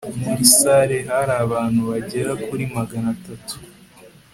muri salle hari abantu bagera kuri magana atatu